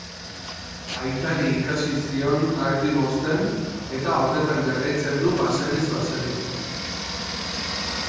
Aitari ikasi zion ardi mozten eta horretan jarraitzen du baserriz baserri.